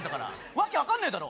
訳分かんねえだろ。